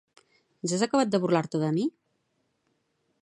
Ja has acabat de burlar-te de mi?